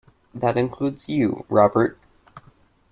That includes you, Robert.